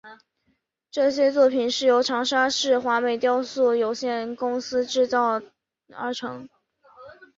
这些作品是由长沙市华美雕塑有限公司制作的。